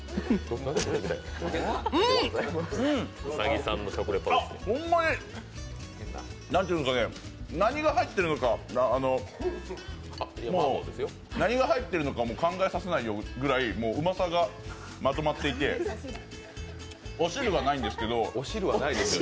うーん！あっ、ほんまになんていうんですかね、何が入ってるのかもう何が入ってるのか考えさせないくらいうまさがまとまっていて、お汁はないんですけど。